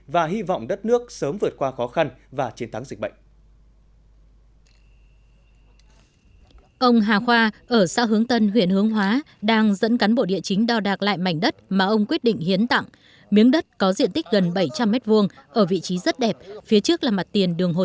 và hy vọng đất nước sớm vượt qua khó khăn và chiến thắng dịch bệnh